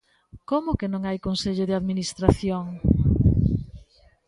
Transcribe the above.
¿Como que non hai Consello de Administración?